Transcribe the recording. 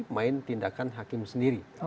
main tindakan hakim sendiri